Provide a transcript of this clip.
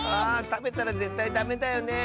たべたらぜったいダメだよね。